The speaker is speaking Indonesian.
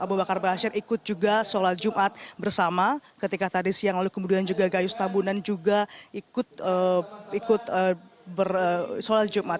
abu bakar ba'asyir ikut juga sholat jumat bersama ketika tadi siang lalu kemudian juga gayus tambunan juga ikut sholat jumat